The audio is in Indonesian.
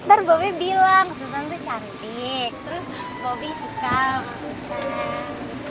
terus bobby suka sama susan